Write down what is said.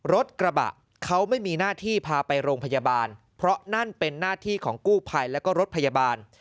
รถกระบะเขาไม่มีหน้าที่พาไปโรงพยาบาลเพราะนั่นเป็นหน้าที่ของกู้ภัยแล้วก็รถพยาบาล